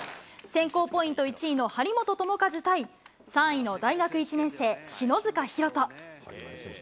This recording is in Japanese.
選考ポイント１位の張本智和対３位の大学１年生、篠塚大登。